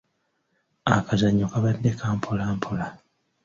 Akazannyo kabadde ka mpola mpola.